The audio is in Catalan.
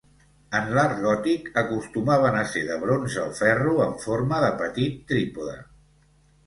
En l'art gòtic acostumaven a ser de bronze o ferro en forma de petit trípode.